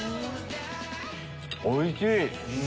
おいしい！